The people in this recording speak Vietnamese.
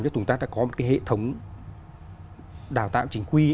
chúng ta đã có một cái hệ thống đào tạo chính quy